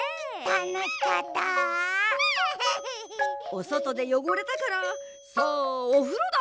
おそとでよごれたからさあおふろだ！